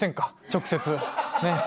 直接ねっ。